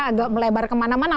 agak melebar kemana mana